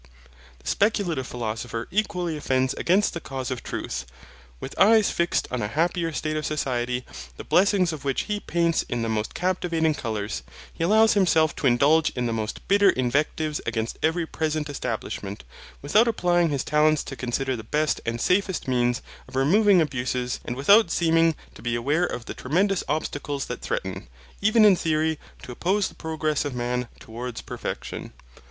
The speculative philosopher equally offends against the cause of truth. With eyes fixed on a happier state of society, the blessings of which he paints in the most captivating colours, he allows himself to indulge in the most bitter invectives against every present establishment, without applying his talents to consider the best and safest means of removing abuses and without seeming to be aware of the tremendous obstacles that threaten, even in theory, to oppose the progress of man towards perfection.